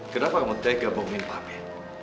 kenapa kamu tega bangunin papi